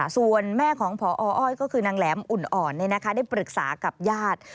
ส่วนแม่ของพออ้อยก็คือนางแหลมอุ่นอ่อนได้ปรึกษากับญาติ